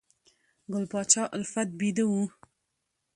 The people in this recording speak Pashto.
ګل پاچا الفت بیده و